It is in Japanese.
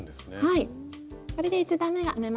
はい。